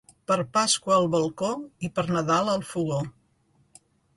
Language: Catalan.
Per Pasqua al balcó i per Nadal al fogó.